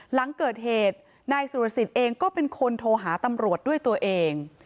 หลังเกิดเหตุนายสุรสิทธิ์เองก็เป็นคนโทรหาตำรวจด้วยตัวเอง